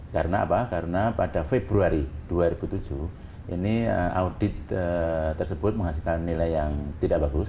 karena apa karena pada februari dua ribu tujuh ini audit tersebut menghasilkan nilai yang tidak bagus